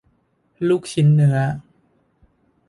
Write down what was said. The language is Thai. ลูกชิ้นเนื้อ